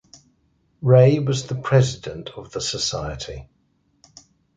Ray was the President of the society.